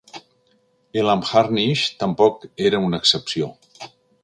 Elam Harnish tampoc era una excepció.